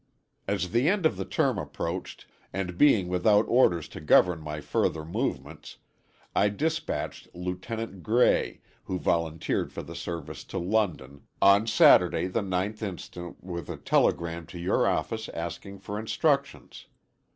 As the end of the term approached, and being without orders to govern my further movements, I despatched Lieutenant Gray, who volunteered for the service, to London, on Saturday, the 9th inst., with a telegram to your office asking for instructions.